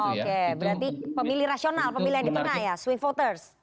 oke berarti pemilih rasional pemilihan di tengah ya swing voters